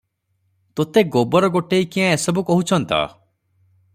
ତୋତେ ଗୋବରଗୋଟେଇ କିଆଁ ଏସବୁ କହୁଚନ୍ତ?